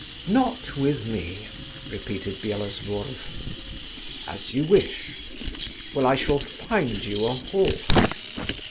"Not with me," repeated Byelovzorov. "As you wish. Well, I shall find you a horse."